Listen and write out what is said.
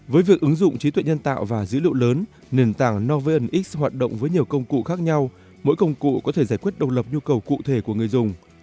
với việc ứng dụng trí tuệ nhân tạo và dữ liệu lớn nền tảng novanx hoạt động với nhiều công cụ khác nhau mỗi công cụ có thể giải quyết độc lập nhu cầu cụ thể của người dùng